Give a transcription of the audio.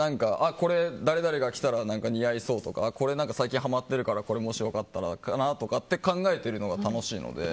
これ、誰々が着たら似合いそうとかこれ、最近ハマってるからもし良かったらって考えてるのが楽しいので。